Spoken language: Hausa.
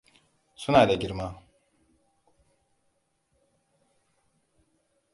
Suna da girma.